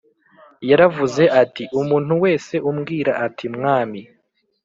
Yaravuze ati umuntu wese umbwira ati mwami